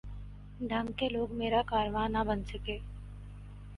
ڈھنگ کے لوگ میر کارواں نہ بن سکے۔